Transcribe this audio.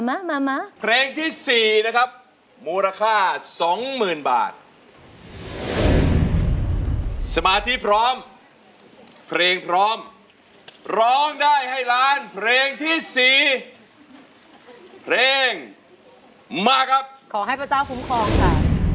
มีนะครับมูลค่า๒๐๐๐๐บาทสมาธิพร้อมเพลงพร้อมร้องได้ให้ล้านเพลงที่๔เพลงมาครับขอให้พระเจ้าคุ้มครองค่ะ